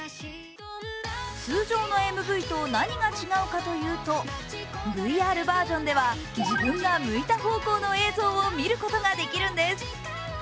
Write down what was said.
通常のＭＶと何が違うかというとＶＲバージョンでは自分が向いた方向の映像を見ることができるんです。